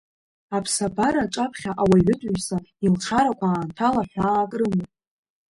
Аԥсабара аҿаԥхьа ауаҩытәыҩса илшарақәа аамҭала ҳәаак рымоуп.